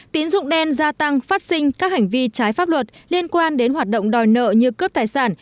tín dụng đen gia tăng phát sinh các hành vi trái pháp luật liên quan đến hoạt động đòi nợ như cướp tài sản